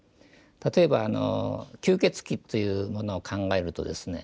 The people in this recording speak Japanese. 例えば吸血鬼というものを考えるとですね